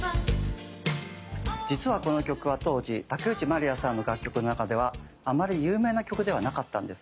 実はこの曲は当時竹内まりやさんの楽曲の中ではあまり有名な曲ではなかったんです。